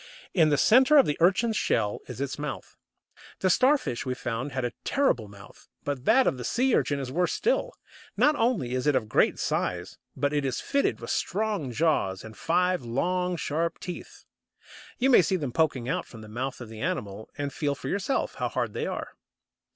In the centre of the Urchin's shell is its mouth. The Starfish, we found, had a terrible mouth, but that of the Urchin is worse still. Not only is it of great size, but it is fitted with strong jaws and five long, sharp teeth, You may see them poking out from the mouth of the animal, and feel for yourself how hard they are.